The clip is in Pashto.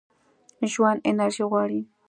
ژوند انرژي غواړي.